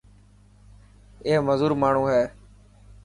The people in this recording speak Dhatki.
اي مزور ماڻهو هي.